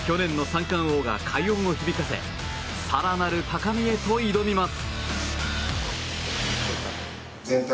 去年の三冠王が快音を響かせ更なる高みへと挑みます。